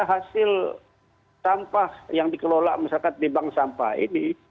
hasil sampah yang dikelola masyarakat di bank sampah ini